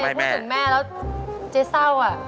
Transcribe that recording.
พูดถึงแม่แล้วเจ๊เศร้าอ่ะ